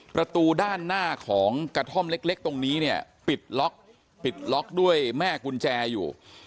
ประตูด้านหน้าของกระท่อมเล็กตรงนี้เนี่ยปิดล็อกปิดล็อกด้วยแม่กุญแจอยู่